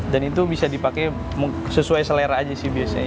dan itu bisa dipakai sesuai selera aja sih biasanya